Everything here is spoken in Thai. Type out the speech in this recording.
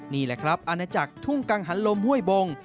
นี่แหละครับอันนี้จากทุ่งกางหันลมห้วยบง